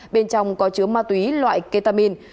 bên trong có chứa ma túy loại ketamin